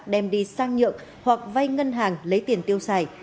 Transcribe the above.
đem đi sang nhượng hoặc vay ngân hàng lấy tiền tiêu xài